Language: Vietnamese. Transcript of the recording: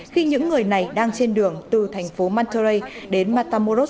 khi những người này đang trên đường từ thành phố montrey đến matamoros